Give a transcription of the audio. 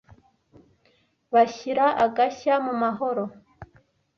bashyira agashya mu mahoro